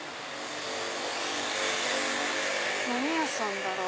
何屋さんだろう。